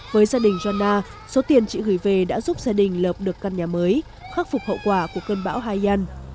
với gia đình jona số tiền chị gửi về đã giúp gia đình lợp được căn nhà mới khắc phục hậu quả của cơn bão hai yon